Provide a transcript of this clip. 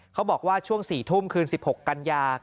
เขาบอกว่าช่วง๔ทุ่มคืน๑๖กันยา